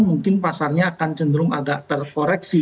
mungkin pasarnya akan cenderung agak terkoreksi